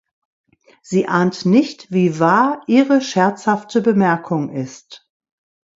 Sie ahnt nicht, wie wahr ihre scherzhafte Bemerkung ist.